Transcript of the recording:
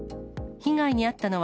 被害に遭ったのは、